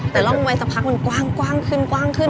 แต่ร่องไว้สักพักมันกว้างขึ้นอ่ะ